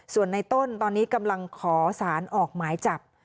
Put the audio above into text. ส่วนในต้นตอนนี้กำลังขอสารออกหมายจับ